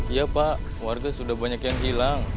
iya pak warga sudah banyak yang hilang